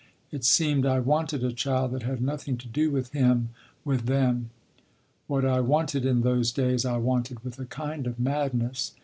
It seemed I wanted a child that had nothing to do with him—with them.... What I wanted in those days, I wanted with a kind of madness.